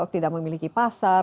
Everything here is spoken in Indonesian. tidak memiliki pasar